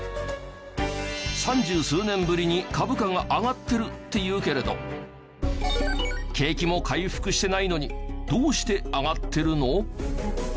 ３０数年ぶりに株価が上がってるっていうけれど景気も回復していないのにどうして上がっているの？